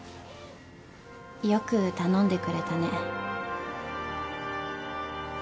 よく頼んでくれたね。